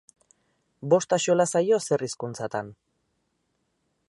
Bost axola zaio zer hizkuntzatan.